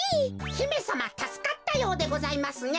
ひめさまたすかったようでございますね。